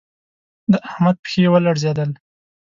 د احمد پښې و لړزېدل